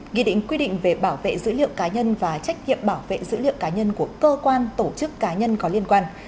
nghị định quy định về bảo vệ dữ liệu cá nhân và trách nhiệm bảo vệ dữ liệu cá nhân của cơ quan tổ chức cá nhân có liên quan